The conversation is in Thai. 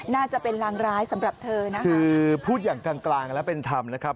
น่าจะเป็นรางร้ายสำหรับเธอนะคะคือพูดอย่างกลางกลางและเป็นธรรมนะครับ